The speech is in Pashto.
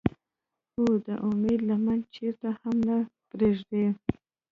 او د اميد لمن چرته هم نۀ پريږدي ۔